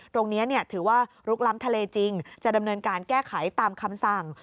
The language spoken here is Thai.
ตรงนี้ถือว่าลุกล้ำทะเลจริงจะดำเนินการแก้ไขตามคำสั่ง